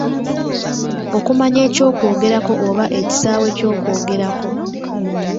Okumanya eky’okwogerako oba ekisaawe ky’okwogerako.